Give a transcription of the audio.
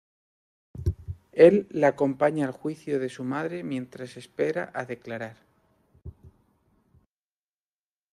Él la acompaña al juicio de su madre mientras espera a declarar.